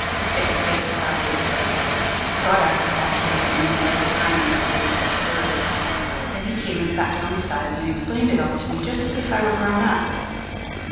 Dick's face clouded over; he got up and walked around the room several times before he said a word. Then he came and sat down beside me and explained it all to me, just as if I were grown up.